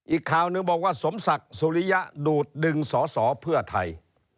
อีกข่าวหนึ่งบอกว่าสมศักดิ์สุริยะดูดดึงสอสอเพื่อไทย